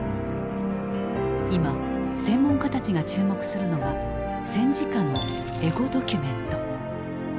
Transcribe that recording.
今専門家たちが注目するのが戦時下のエゴドキュメント。